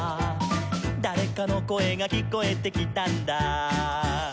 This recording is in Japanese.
「だれかのこえがきこえてきたんだ」